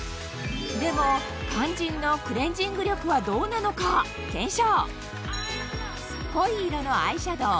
でも肝心のクレンジング力はどうなのか検証！